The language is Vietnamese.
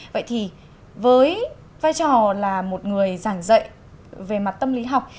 vậy thì với vai trò là một người giảng dạy về mặt tâm lý học